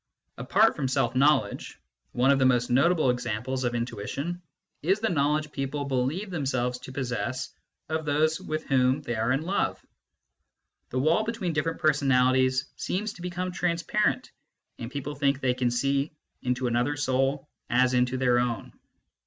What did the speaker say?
Apart from self knowledge, one of the most notable examples of intuition is the knowledge people believe themselves to possess of those with whom they are in love : the wall between different personalities seems to become transparent, and people think they see into another soul as into their own.